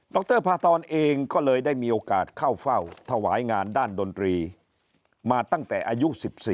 รพาทรเองก็เลยได้มีโอกาสเข้าเฝ้าถวายงานด้านดนตรีมาตั้งแต่อายุ๑๔